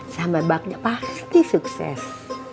sambal baknya pasti sukses